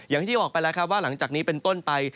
อย่างที่บอกไปแล้วครับว่าหลังจากนี้เป็นต้นไป